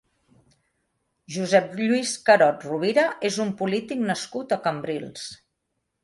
Josep-Lluís Carod-Rovira és un polític nascut a Cambrils.